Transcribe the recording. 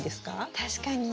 確かに。